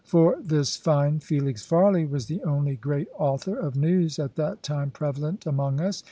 For this fine Felix Farley was the only great author of news at that time prevalent among us.